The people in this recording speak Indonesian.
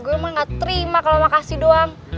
gue emang gak terima kalau makasih doang